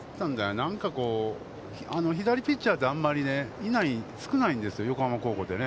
なんかこう、左ピッチャーってあんまりね、いない、少ないんですよ、横浜高校ってね。